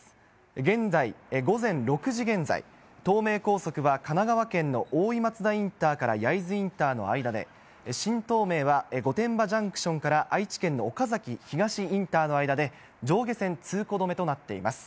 現在、午前６時現在、東名高速は神奈川県の大井松田インターから焼津インターの間で、新東名は御殿場ジャンクションから愛知県の岡崎東インターの間で上下線、通行止めとなっています。